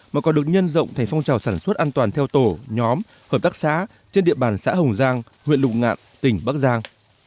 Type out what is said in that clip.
mà còn được nhân rộng thành phong trào sản xuất an toàn theo tổ nhóm hợp tác xã trên địa bàn xã hồng giang huyện lụng ngạn tỉnh bắc giang